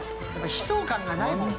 悲壮感がないもん。